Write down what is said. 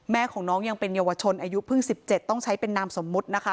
แม่ของน้องยังเป็นเยาวชนอายุเพิ่ง๑๗ต้องใช้เป็นนามสมมุตินะคะ